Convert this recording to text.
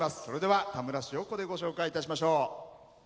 それでは田村市をここでご紹介いたしましょう。